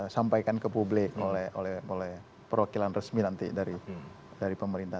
sampaikan ke publik oleh perwakilan resmi nanti dari pemerintah